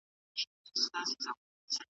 مطالعه د انسان په ژوند کي نظم راولي.